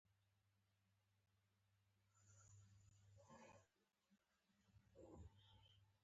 د اکسیجن په ارزښت پوهېدل اړین دي.